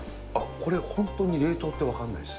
これ、本当に冷凍って分からないです。